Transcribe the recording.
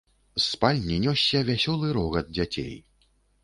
З спальні нёсся вясёлы рогат дзяцей.